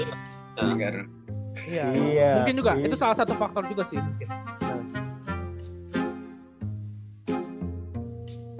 iya mungkin juga itu salah satu faktor juga sih